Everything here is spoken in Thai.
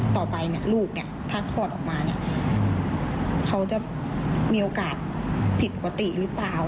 ต่อไปเนี่ยลูกเนี่ยถ้าคลอดออกมาเนี่ยเขาจะมีโอกาสผิดปกติหรือเปล่า